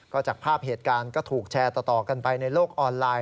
ก็จากภาพเหตุการณ์ก็ถูกแชร์ต่อกันไปในโลกออนไลน